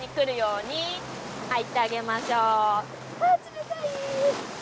あ冷たい！